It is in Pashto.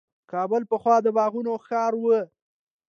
کابل پخوا د باغونو ښار و.